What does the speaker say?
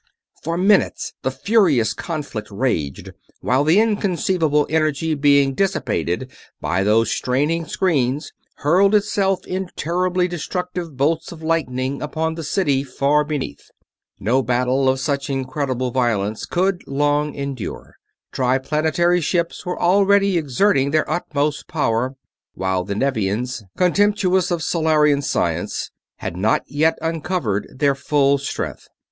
For minutes the furious conflict raged, while the inconceivable energy being dissipated by those straining screens hurled itself in terribly destructive bolts of lightning upon the city far beneath. No battle of such incredible violence could long endure. Triplanetary's ships were already exerting their utmost power, while the Nevians, contemptuous of Solarian science, had not yet uncovered their full strength.